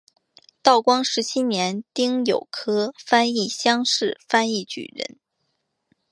道光十七年丁酉科翻译乡试翻译举人。